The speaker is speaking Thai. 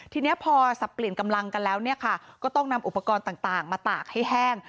ทีนี้พอสับเปลี่ยนกำลังกันแล้วเนี่ยค่ะก็ต้องนำอุปกรณ์ต่างมาตากให้แห้ง